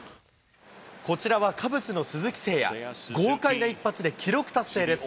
こちらはカブスの鈴木誠也、豪快な一発で記録達成です。